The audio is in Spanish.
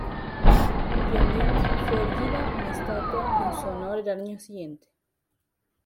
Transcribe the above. En Pyongyang fue erigida una estatua en su honor el año siguiente.